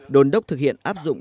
đồn đốc thực hiện áp dụng